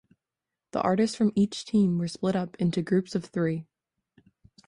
The artists from each team were split up into groups of three.